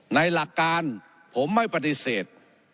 หลักการผมไม่ปฏิเสธ